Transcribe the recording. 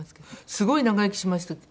すごい長生きしました。